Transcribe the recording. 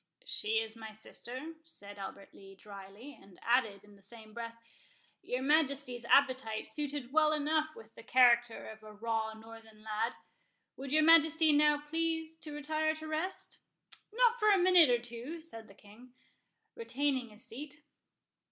"She is my sister," said Albert Lee, dryly, and added, in the same breath, "Your Majesty's appetite suited well enough with the character of a raw northern lad.—Would your Majesty now please to retire to rest?" "Not for a minute or two," said the King, retaining his seat.